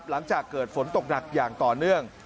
หลังจากเกิดฝนตกหนักอย่างต่อเนื่อง